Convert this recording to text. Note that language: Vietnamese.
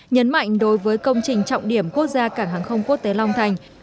nhấn mạnh đối với công trình trọng điểm quốc gia cảng hàng không quốc tế long thành